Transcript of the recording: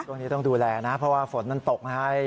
ช่วงนี้ต้องดูแลนะเพราะว่าฝนมันตกนะครับ